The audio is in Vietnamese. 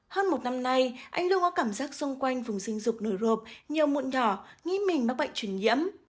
hơn một năm nay anh lưu có cảm giác xung quanh vùng sinh dục nổi rộp nhiều mụn nhỏ nghĩ mình mắc bệnh truyền nhiễm